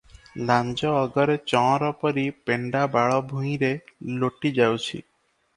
ଲାଞ୍ଜ ଅଗରେ ଚଅଁରପରି ପେଣ୍ତା ବାଳ ଭୁଇଁରେ ଲୋଟିଯାଉଛି ।